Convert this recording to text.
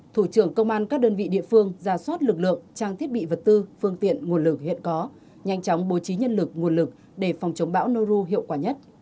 thủ trưởng công an các đơn vị địa phương ra soát lực lượng trang thiết bị vật tư phương tiện nguồn lực hiện có nhanh chóng bố trí nhân lực nguồn lực để phòng chống bão noru hiệu quả nhất